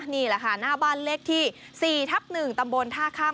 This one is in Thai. นี่แหละค่ะหน้าบ้านเลขที่๔ทับ๑ตำบลท่าข้าม